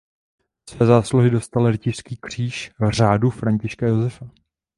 Za své zásluhy dostal rytířský kříž řádu Františka Josefa.